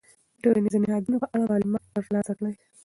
د ټولنیزو نهادونو په اړه معلومات ترلاسه کړئ.